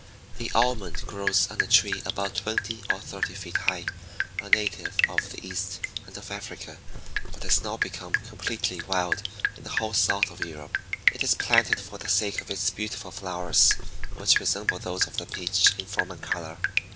8. The almond (Amygdalus) grows on a tree about twenty or thirty feet high, a native of the East and of Africa, but has now become completely wild in the whole south of Europe. It is planted for the sake of its beautiful flowers, which resemble those of the peach in form and color.